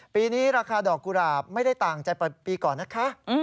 ปีนี้ราคาดอกกุหลาบไม่ได้ต่างจากปีก่อนนะคะ